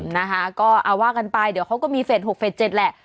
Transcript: เอาว่ากันไปเดี๋ยวเขาก็มีเฟส๖๗แหละ